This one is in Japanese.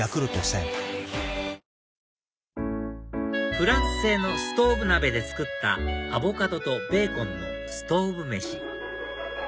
フランス製のストウブ鍋で作ったアボカドとベーコンのストウブ飯